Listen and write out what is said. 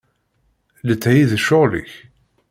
Letthi d ccɣel-ik.